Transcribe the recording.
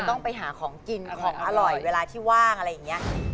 ต้องไปหาของกินของอร่อยเวลาที่ว่างอะไรอย่างนี้